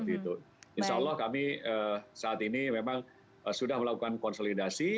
insya allah kami saat ini memang sudah melakukan konsolidasi